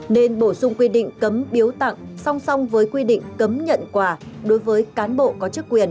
nên bổ sung quy định cấm biếu tặng song song với quy định cấm nhận quà đối với cán bộ